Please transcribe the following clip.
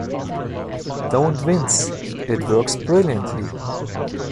Don't wince - it works brilliantly.